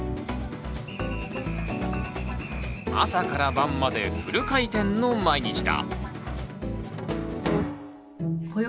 朝から晩までフル回転の毎日だ。